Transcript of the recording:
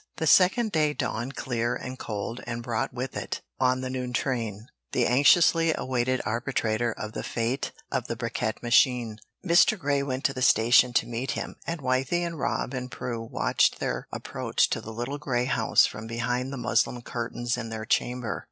The second day dawned clear and cold and brought with it, on the noon train, the anxiously awaited arbitrator of the fate of the bricquette machine. Mr. Grey went to the station to meet him, and Wythie, Rob, and Prue watched their approach to the little grey house from behind the muslin curtains in their chamber.